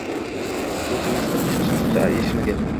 U singlisidan hech qachon sir yashirmagan